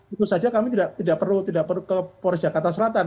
itu saja kami tidak perlu ke polri jakarta selatan